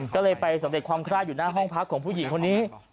ก็เลยไปสำเร็จความคล่าอยู่หน้าห้องพักของผู้หญิงคนนี้